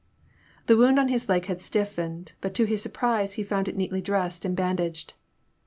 The wound on his leg had stiffened, but to his surprise he found it neatly dressed and bandaged.